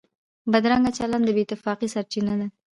بدرنګه چلند د بې اتفاقۍ سرچینه ده